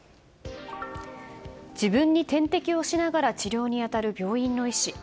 自分に点滴をしながら治療に当たる病院の医師。